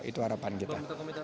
itu harapan kita